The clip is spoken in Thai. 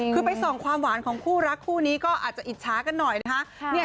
คือไปส่องความหวานของคู่รักคู่นี้ก็อาจจะอิจฉากันหน่อยนะคะ